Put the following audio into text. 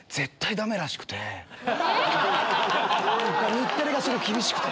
⁉日テレがそこ厳しくて。